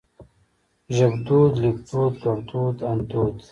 ژبدود ليکدود ګړدود اندود